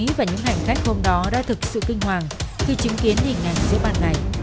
tài xế và những hành khách hôm đó đã thực sự kinh hoàng khi chứng kiến hình ảnh giữa ban ngày